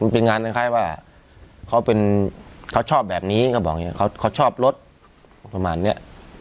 เป็นงานในคล้ายว่าเขาชอบแบบนี้เขาบอกว่าเขาชอบรถประมาณนี้